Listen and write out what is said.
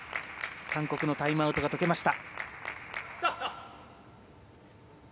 韓国のタイムアウトが解けました。